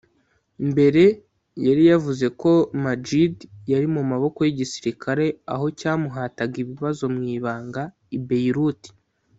mbere yari yavuze ko Majid yari mu maboko y’igisirikare aho cyamuhataga ibibazo mu ibanga i Beirut